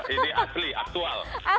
ini asli aktual